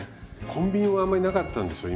コンビニもあんまりなかったんですよ。